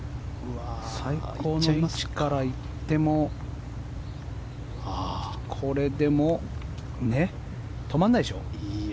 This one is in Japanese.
最高の位置から行ってもこれ、でも止まらないでしょ。